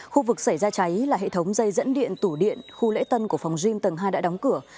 khu vực xảy ra cháy là hệ thống dây dẫn điện tủ điện khu lễ tân của phòng gym tầng hai đã đóng cửa